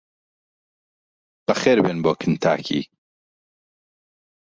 بەخێربێن بۆ کنتاکی!